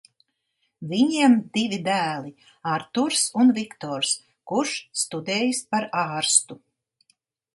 Viņiem divi dēli Arturs un Viktors, kurš studējis par ārstu.